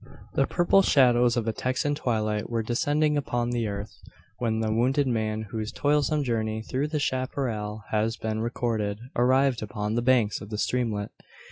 The purple shadows of a Texan twilight were descending upon the earth, when the wounded man, whose toilsome journey through the chapparal has been recorded, arrived upon the banks of the streamlet.